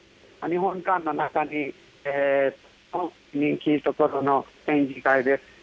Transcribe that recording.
日本館の中に、人気のところの展示会です。